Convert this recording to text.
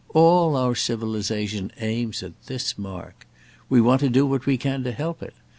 All our civilisation aims at this mark. We want to do what we can to help it.